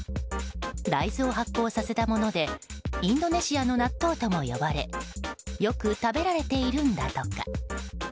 大豆を発酵させたものでインドネシアの納豆とも呼ばれよく食べられているんだとか。